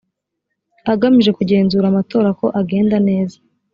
agamije kugenzura amatora ko agenda neza